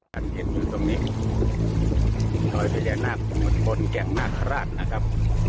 ท่านเห็นอยู่ตรงนี้รอยพญานาคบนแก่งนาคาราชนะครับ